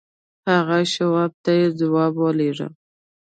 هغه شواب ته يې ځواب ولېږه.